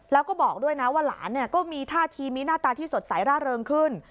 แล้วก็บอกด้วยนะว่าหลานก็มีท่าทีมีหน้าตาที่สดใสร่าเริงขึ้น